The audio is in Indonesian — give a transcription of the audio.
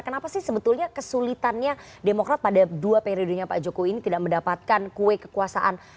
kenapa sih sebetulnya kesulitannya demokrat pada dua periodenya pak jokowi ini tidak mendapatkan kue kekuasaan